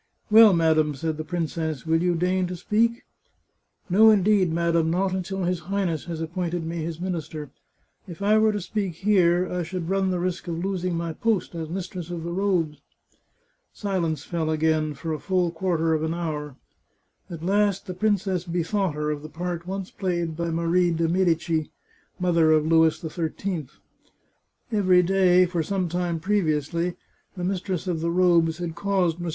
" Well, madam," said the princess, " will you deign to speak ?"" No, indeed, madam ; not until his Highness has ap pointed me his minister. If I were to speak here I should run the risk of losing my post as mistress of the robes." Silence fell again, for a full quarter of an hour. At last the princess bethought her of the part once played by Marie de Medicis, mother of Louis XIII. Every day, for some time previously, the mistress of the robes had caused Mons.